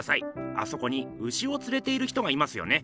あそこに牛をつれている人がいますよね。